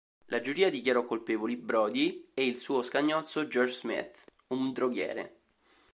La giuria dichiarò colpevoli Brodie e il suo scagnozzo George Smith, un droghiere.